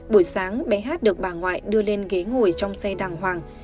buổi sáng bé hát được bà ngoại đưa lên ghế ngồi trong xe đàng hoàng